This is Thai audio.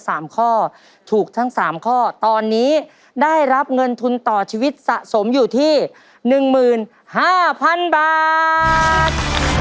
๔และ๓ข้อถูกทั้ง๓ข้อตอนนี้ได้รับเงินทุนต่อชีวิตสะสมอยู่ที่๑๕๐๐๐บาท